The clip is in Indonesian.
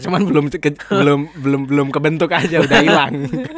cuma belum kebentuk aja udah hilang